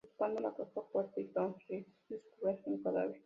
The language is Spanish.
Buscando la caja fuerte, Tyson y Richie descubren un cadáver.